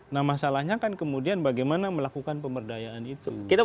nah masalahnya kan kemudian bagaimana melakukan pemberdayaan itu